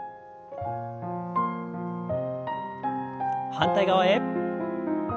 反対側へ。